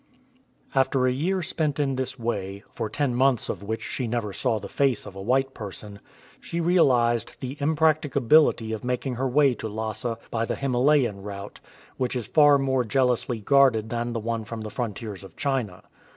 After a year spent in this way, for ten months of which she never saw the face of a white person, she realized the impracticability of making her way to Lhasa by the Himalayan route, which is far more jealously guarded than the one from the frontiers of China.